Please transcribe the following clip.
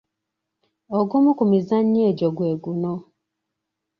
Ogumu ku mizannyo egyo gwe guno.